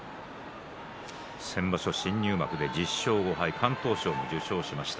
先場所新入幕で１０勝５敗敢闘賞も受賞しました。